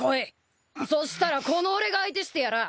そしたらこの俺が相手してやらぁ。